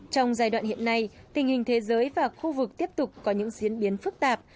trong giai đoạn hiện nay tình hình thế giới và khu vực tiếp tục có những diễn biến phức tạp